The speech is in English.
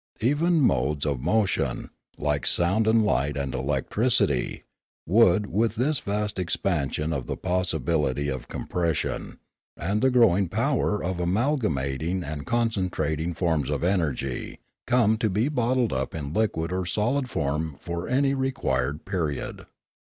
Even modes of motion, like sound and light and electricity, would, with this vast expansion of the possibility of compres sion, and the growing power of amalgamating and con Discoveries 329 centrating forms of energy, come to be bottled up in liquid or solid form for any required period.